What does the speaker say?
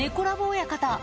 親方